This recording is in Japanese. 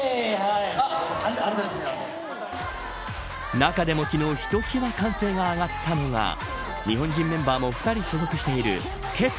中でも昨日ひときわ歓声が上がったのが日本人メンバーも２人所属しているＫｅｐ